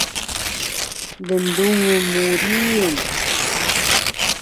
lnlungun mu riyung